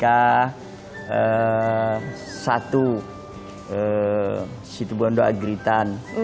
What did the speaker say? pada satu situbondo agritan